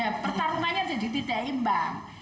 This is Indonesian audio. ya pertarungannya jadi tidak imbang